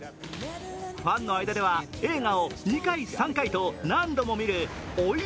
ファンの間では映画を２回、３回と何度も見る追い